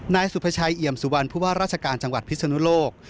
นายสุภาชัยเอี่ยมสุวรรณผู้ว่าราชการจังหวัดพิศนุโลก